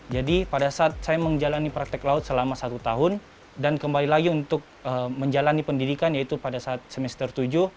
jadi pada saat saya menjalani praktik laut selama satu tahun dan kembali lagi untuk menjalani pendidikan yaitu pada saat semester tujuh